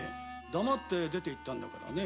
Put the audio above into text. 黙って出て行ったんだからね。